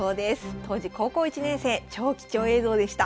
当時高校１年生超貴重映像でした。